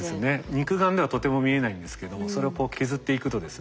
肉眼ではとても見えないんですけどもそれを削っていくとですね